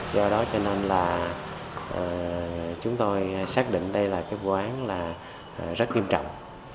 do đó cho nên là chúng tôi xác định đây là vụ án rất nghiêm trọng